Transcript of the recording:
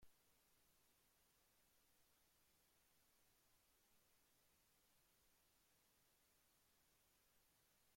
Lefty eventually finds her being tortured at the dinner table and saves her.